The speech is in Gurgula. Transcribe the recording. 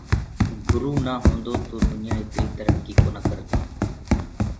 گُرو نآ هوندو تو دنيآ اِتري ترڪي بي ڪونآ ڪردي۔